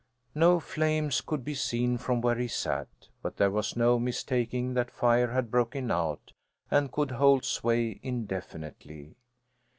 No flames could be seen from where he sat, but there was no mistaking that fire had broken out and could hold sway indefinitely.